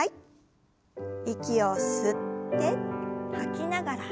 息を吸って吐きながら横へ。